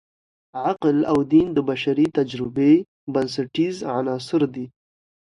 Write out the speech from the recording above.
عقل او دین د بشري تجربې بنسټیز عناصر دي.